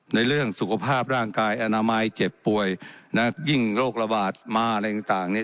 ในเรื่องสุขภาพร่างกายอนามัยเจ็บป่วยนะยิ่งโรคระบาดมาอะไรต่างเนี่ย